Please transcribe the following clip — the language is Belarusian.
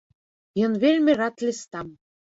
Ён вельмі рад лістам.